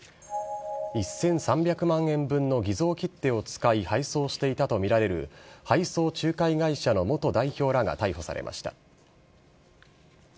１３００万円分の偽造切手を使い配送していたと見られる配送仲介会社の元代表らが逮捕されました。